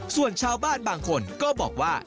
ส่วนชาวบ้านบางคนก็บอกว่า